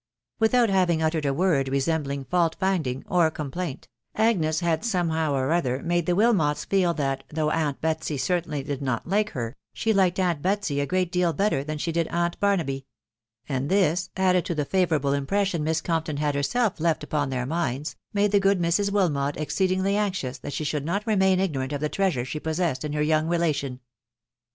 Without having uttered a word resembling fault finding or complaint, Agnes had somehow or other made the Wilmot* feel that, though aunt Betsy certainly did not like her, she liked aunt Betsey a great deal better than she did aunt Bar naby; and this, added to the favourable impression Miss Compton had herself left upon their minds, made the good Mrs. Wilmot exceedingly anxious that she should not remain ignorant of the treasure she possessed in her young relation.